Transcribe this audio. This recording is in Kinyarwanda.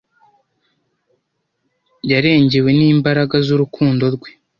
Yarengewe n'imbaraga z'urukundo rwe.